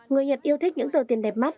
người nhật yêu thích những tờ tiền đẹp mắt